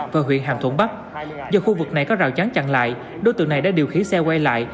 và huyện hàm thuận bắc do khu vực này có rào chắn chặn lại đối tượng này đã điều khiển xe quay lại